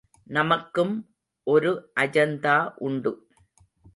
நமக்கும் ஒரு அஜந்தா உண்டு.